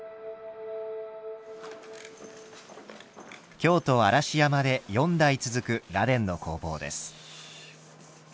京都・嵐山で四代続く螺鈿の工房です。